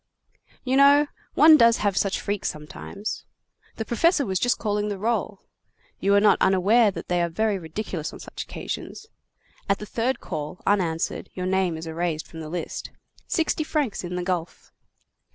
You know, one does have such freaks sometimes. The professor was just calling the roll. You are not unaware that they are very ridiculous on such occasions. At the third call, unanswered, your name is erased from the list. Sixty francs in the gulf."